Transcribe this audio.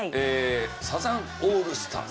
サザンオールスターズ。